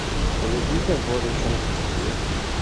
Seine Güter wurden konfisziert.